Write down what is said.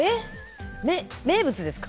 名物ですか？